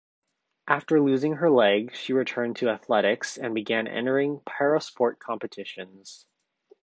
After losing her leg she returned to athletics and began entering para-sport competitions.